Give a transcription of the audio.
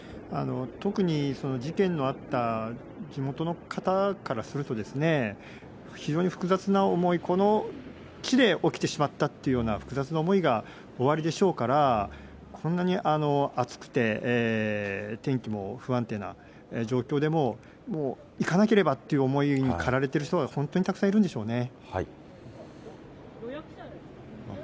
特に事件のあった地元の方からすると、非常に複雑な思い、この地で起きてしまったというような複雑な思いがおありでしょうから、こんなに暑くて、天気も不安定な状況でも、行かなければって思いに駆られてる人が本当にたくさんいるんでしょうね。